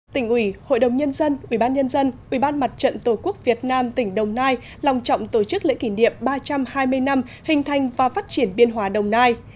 tỉnh ủy hội đồng nhân dân ubnd ubnd tổ quốc việt nam tỉnh đồng nai lòng trọng tổ chức lễ kỷ niệm ba trăm hai mươi năm hình thành và phát triển biên hòa đồng nai